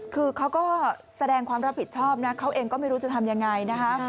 คือเขาก็แสดงความรับผิดชอบนะเขาเองก็ไม่รู้จะทำยังไงนะคะ